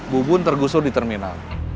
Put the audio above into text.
bu bun tergusur di terminal